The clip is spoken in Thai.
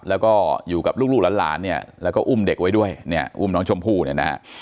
แล้วก็อยู่กับลูกหลานเนี่ยแล้วก็อุ้มเด็กไว้ด้วยเนี่ยอุ้มน้องชมพู่เนี่ยนะฮะ